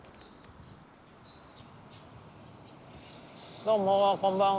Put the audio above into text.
どうもこんばんは。